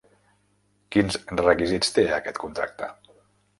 Quins requisits té aquest contracte?